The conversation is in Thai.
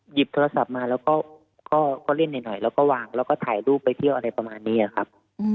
หยิบโทรศัพท์มาแล้วก็เล่นหน่อยแล้วก็วางแล้วก็ถ่ายรูปไปเที่ยวอะไรประมาณนี้ครับ